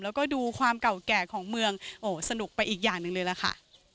แล้วก็ดูความเก่าแก่ของเมืองโอ้สนุกไปอีกอย่างหนึ่งเลยล่ะค่ะ